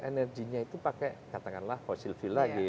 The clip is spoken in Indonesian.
energinya itu pakai katakanlah fossil fee lagi